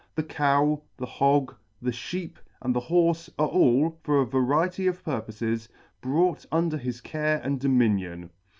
The Cow, the Hog, the Sheep, and the Horfe, are all, for a variety of purpofes, brought under his care and dominion.